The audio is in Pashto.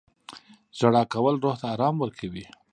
• ژړا کول روح ته ارام ورکوي.